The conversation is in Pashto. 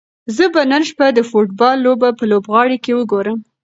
زه به نن شپه د فوټبال لوبه په لوبغالي کې وګورم.